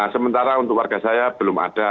sementara untuk warga saya belum ada